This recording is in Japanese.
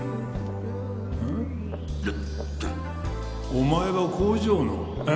お前は工場のん？